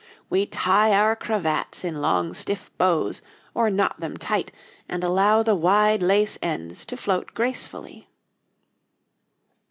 We tie our cravats in long, stiff bows or knot them tight, and allow the wide lace ends to float gracefully.